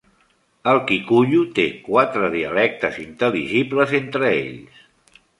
El Kikuyu té quatre dialectes intel·ligibles entre ells.